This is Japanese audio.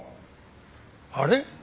あれ？